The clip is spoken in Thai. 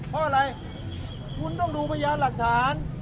เพราะอะไรคุณต้องดูพยานหลักฐาน